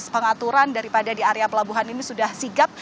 pengaturan daripada di area pelabuhan ini sudah sigap